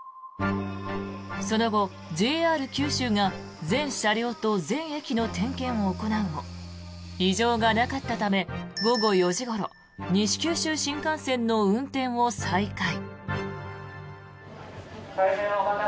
その後、ＪＲ九州が全車両と全駅の点検を行うも異常がなかったため午後４時ごろ西九州新幹線の運転を再開。